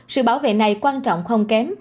sự bảo vệ này quan trọng không kém